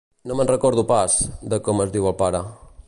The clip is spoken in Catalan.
No me'n recordo pas, de com es diu el pare.